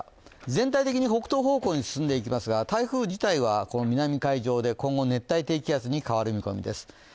全体的に北東方向に進んでいきますが、台風自体は南海上で今後熱帯低気圧に変わる見込みです。